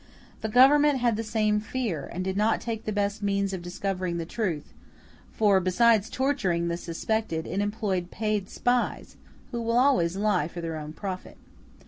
The government had the same fear, and did not take the best means of discovering the truth—for, besides torturing the suspected, it employed paid spies, who will always lie for their own profit.